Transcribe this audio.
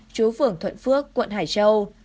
chú phưởng thuận phước quận hải châu